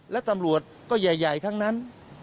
และตำรวจก็ใหญ่ทั้งนั้น